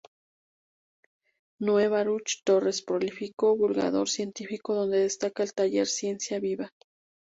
Noe Baruch Torres, prolífico divulgador científico, donde destaca el Taller Ciencia Viva.